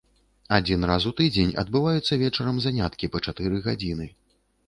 Адзін раз у тыдзень адбываюцца вечарам заняткі па чатыры гадзіны.